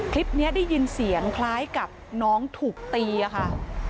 คลิปนี้ได้ยินเสียงคล้ายกับน้องถูกตีค่ะ